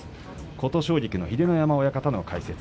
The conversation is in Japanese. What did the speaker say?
琴奨菊の秀ノ山親方の解説。